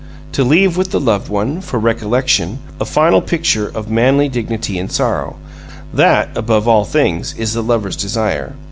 To leave with the loved one, for recollection, a final picture of manly dignity in sorrow that, above all things, is the lover's desire.